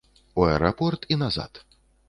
У аэрапорт і назад.